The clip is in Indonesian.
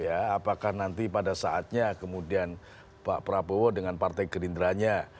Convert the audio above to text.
apakah nanti pada saatnya kemudian pak prabowo dengan partai gerindranya